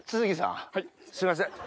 すいません。